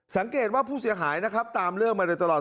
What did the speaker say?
สังเกตว่าผู้เสียหายนะครับตามเรื่องมาโดยตลอด